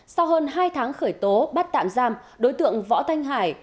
sau hơn hai tháng khởi tố bắt tạm giam đối tượng võ thanh hải